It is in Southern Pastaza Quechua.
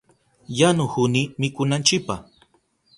Yanuhuni mikunanchipa.